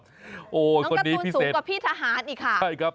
น้องการตูนสูงกว่าพี่ทหารอีกค่ะ